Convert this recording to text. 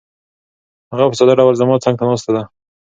هغه په ساده ډول زما څنګ ته ناسته ده.